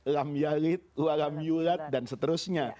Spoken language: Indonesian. lam yalit lalam yulat dan seterusnya